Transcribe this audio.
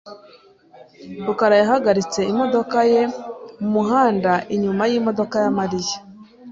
rukara yahagaritse imodoka ye mumuhanda inyuma yimodoka ya Mariya .